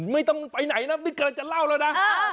ไม่ต้องไปไหนนะนี่กำลังจะเล่าแล้วนะ